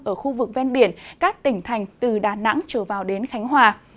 ở khu vực ven biển các tỉnh thành từ đà nẵng trở vào đến khánh hòa